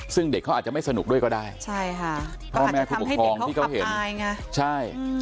ซึ่งเด็กเขาอาจจะไม่สนุกด้วยก็ได้เพราะอาจจะทำให้เด็กเขากลับอาย